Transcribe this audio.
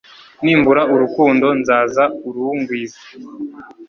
nimbura urukundo, nzaza urungwize